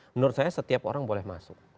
menurut saya setiap orang boleh masuk